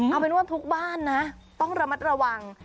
เอาเป็นว่าทุกบ้านนะต้องระมัดระวัง